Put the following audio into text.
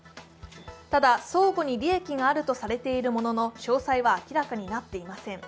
ただ相互に利益があるとされているものの詳細は明らかになっていません。